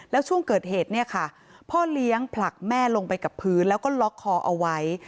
แล้วช่วงเกิดเหตุเนี่ยค่ะพ่อเลี้ยงผลักแม่ลงไปกับพื้นแล้วก็ล็อกคอเอาไว้